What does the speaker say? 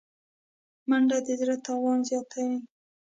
منډه د زړه توان زیاتوي